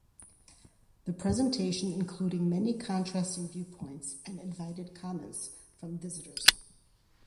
The presentation including many contrasting viewpoints and invited comments from visitors.